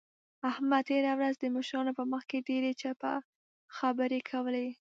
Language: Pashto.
احمد تېره ورځ د مشرانو په مخ کې ډېرې چپه خبرې کولې.